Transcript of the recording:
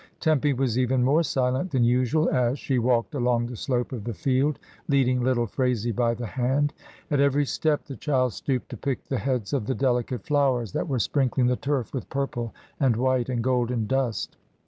Tempy was even more silent than usual, as she walked along the slope of the field, leading little Phraisie by the hand. At every step the child stooped to pick the heads of the delicate flowers that were sprinkling the turf with purple and white and golden dust.